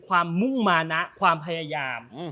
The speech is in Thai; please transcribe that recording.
มุ่งมานะความพยายาม